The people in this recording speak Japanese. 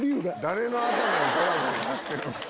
誰の頭にドラゴンが走ってるんすか！